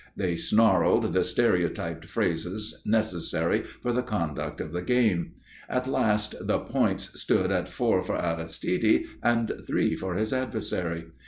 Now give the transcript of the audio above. They snarled the stereotyped phrases necessary for the conduct of the game. At last the points stood at four for Aristide and three for his adversary.